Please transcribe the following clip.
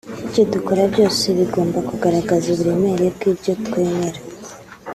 Ibyo dukora byose bigomba kugaragaza uburemere bw’ ibyo twemera